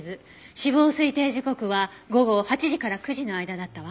死亡推定時刻は午後８時から９時の間だったわ。